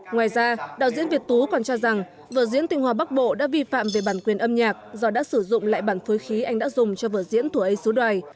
ngoài ra đạo diễn việt tú còn cho rằng vở diễn tinh hoa bắc bộ đã vi phạm về bản quyền âm nhạc do đã sử dụng lại bản phối khí anh đã dùng cho vở diễn thùa ấy sứ đoài